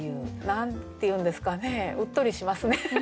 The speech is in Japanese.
何て言うんですかねうっとりしますね。